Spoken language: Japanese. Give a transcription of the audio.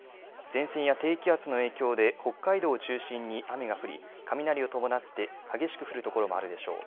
前線や低気圧の影響で北海道を中心に雨が降り雷を伴って激しく降る所もあるでしょう。